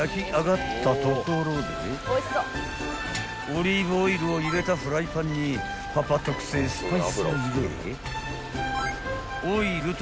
［オリーブオイルを入れたフライパンにパパ特製スパイスを入れ］